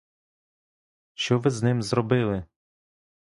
Що ви з ним зробили?